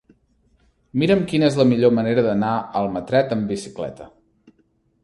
Mira'm quina és la millor manera d'anar a Almatret amb bicicleta.